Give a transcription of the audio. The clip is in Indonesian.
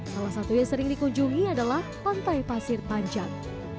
salah satu yang sering dikunjungi adalah pantai pasir panjang